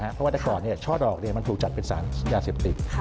เพราะว่าแต่ก่อนช่อดอกมันถูกจัดเป็นสารยาเสพติด